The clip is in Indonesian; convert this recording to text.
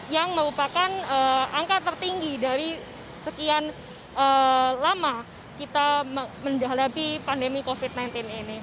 yang merupakan angka tertinggi dari sekian lama kita menghadapi pandemi covid sembilan belas ini